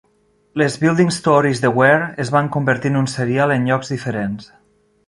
Les "Building Stories" de Ware es van convertir en un serial en llocs diferents.